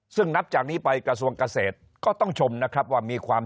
ซึ่งนับจากนี้ไปกระทรวงเกษตรก็ต้องชมนะครับว่ามีความ